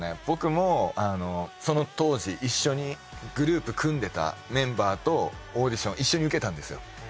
僕もその当時一緒にグループ組んでたメンバーとオーディション一緒に受けたんですよ。